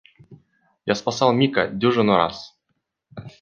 Я спасал Мика дюжину раз.